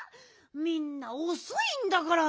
みんなおそいんだから。